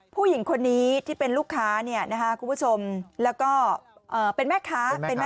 ผู้หญิงคนนี้ที่เป็นลูกค้าจะเป็นแม่ค้า